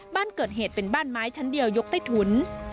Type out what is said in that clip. บ้านเกิดเหตุเป็นบ้านไม้ชั้นเดียวยกใต้ถุน